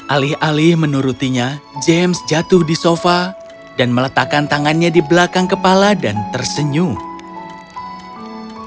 alih alih menurutinya james jatuh di sofa dan meletakkan tangannya di belakang kepala dan tersenyum